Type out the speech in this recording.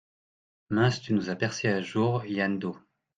Mince, tu nous as percé à jour Jañ-Do !